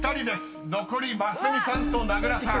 ［残りますみさんと名倉さん］